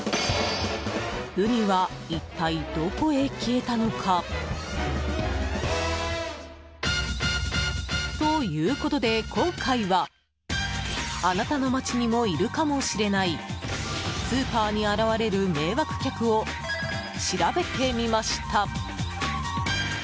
ウニは一体どこへ消えたのか？ということで、今回はあなたの街にもいるかもしれないスーパーに現れる迷惑客を調べてみました。